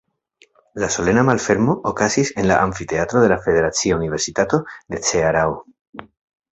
La solena malfermo okazis en la amfiteatro de la Federacia Universitato de Cearao.